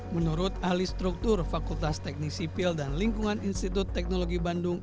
menurut ahli struktur fakultas teknik sipil dan lingkungan institut teknologi bandung